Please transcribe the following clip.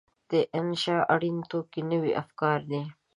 د انشأ اړین توکي نوي افکار دي.